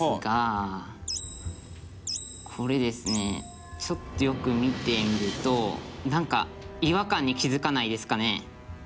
これですねちょっとよく見てみるとなんか違和感に気付かないですかね？